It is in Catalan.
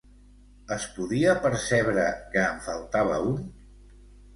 Es podia percebre que en faltava un?